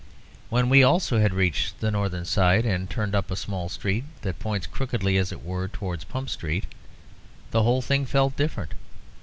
When we also had reached the northern side and turned up a small street that points, crookedly as it were, towards Pump Street, the whole thing felt different.